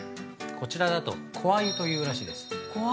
こちらだと小アユというらしいです。